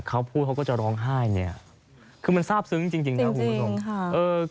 เขาพูดเขาก็จะร้องไห้เนี่ยคือมันทราบซึ้งจริงนะคุณผู้ชม